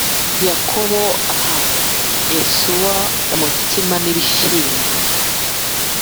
Yakobo aha Esawu umutsima n ibishyimbo